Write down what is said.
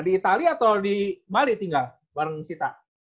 di itali atau di bali tinggal bareng sita